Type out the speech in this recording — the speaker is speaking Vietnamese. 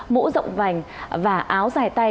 mũ rộng vành và áo dài tay